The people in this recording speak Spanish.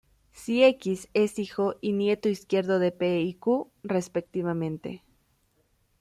Si x es hijo y nieto izquierdo de p y q, respectivamente.